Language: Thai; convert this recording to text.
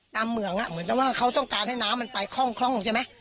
ตามเหมืองอะเหมือนว่าเขาต้องการให้นามมันไปคล่องใช่ไหม